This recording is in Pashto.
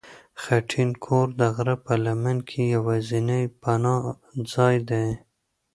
خټین کور د غره په لمن کې یوازینی پناه ځای دی.